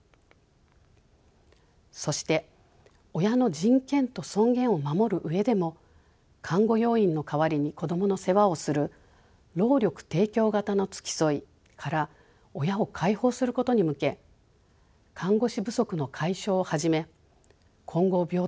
そして親の人権と尊厳を守る上でも看護要員の代わりに子どもの世話をする労力提供型の付き添いから親を解放することに向け看護師不足の解消をはじめ混合病棟の廃止